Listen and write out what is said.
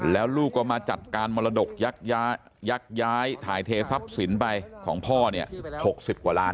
แล้วลูกก็มาจัดการมรดกยักย้ายถ่ายเททรัพย์สินไปของพ่อเนี่ย๖๐กว่าล้าน